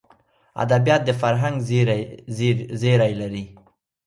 ادبیات د فرهنګ زېری لري.